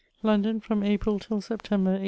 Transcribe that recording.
London, from April till September, 1822.